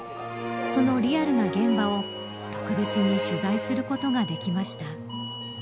そのリアルな現場を特別に取材することができました。